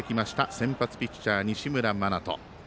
先発ピッチャー、西村真人。